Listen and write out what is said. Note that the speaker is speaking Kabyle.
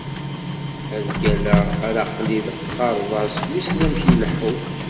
Ad d-ggalleɣ ar aql-ik teqqareḍ-as wissen amek ileḥḥu.